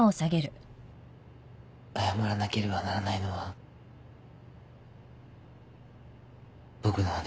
謝らなければならないのは僕のほうです。